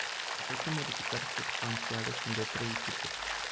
Aceste modificări substanțiale sunt de trei tipuri.